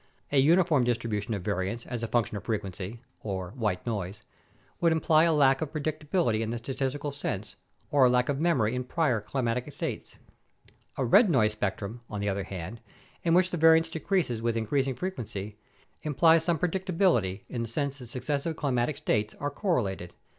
A uniform distribution of variance as a function of frequency (or "white noise") would imply a lack of predictability in the statistical sense or a lack of "memory" of prior climatic states. A "red noise" spectrum, on the other hand, in which the variance decreases with in creasing frequency, implies some predictability in the sense that suc cessive climatic states are correlated.